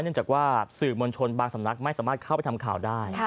เนื่องจากว่าสื่อมวลชนบางสำนักไม่สามารถเข้าไปทำข่าวได้